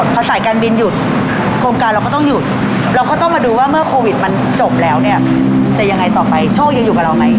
พอสายการบินหยุดโครงการเราก็ต้องหยุดเราก็ต้องมาดูว่าเมื่อโควิดมันจบแล้วเนี่ยจะยังไงต่อไปโชคยังอยู่กับเราไหม